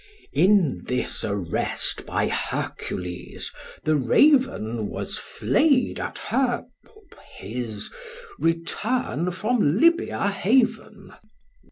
In this arrest by Hercules the raven Was flayed at her (his) return from Lybia haven.